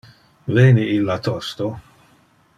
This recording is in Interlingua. Veni illa tosto?